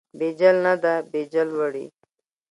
بیجل نه ده، بیجل وړي.